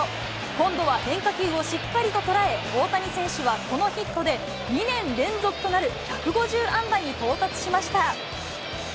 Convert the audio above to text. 今度は変化球をしっかりと捉え、大谷選手はこのヒットで、２年連続となる１５０安打に到達しました。